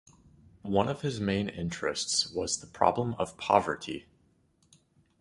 One of his main interests was the problem of poverty.